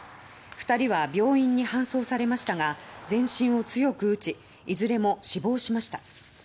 ２人は病院に搬送されましたが全身を強く打ちいずれも死亡しました。